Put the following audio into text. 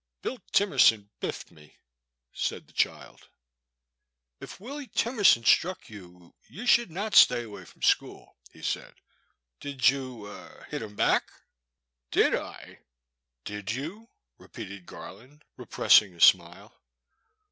'* Bill Timerson biffed me," said the child. "If Willy Timerson struck you, you should not stay away from school, *' he said ;did you — er — ^hit him back ?" DidI?" Did you?" repeated Garland, repressing a smile.